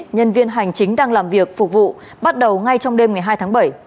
nhân viên hành chính đang làm việc phục vụ bắt đầu ngay trong đêm ngày hai tháng bảy